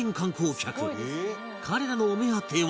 彼らのお目当ては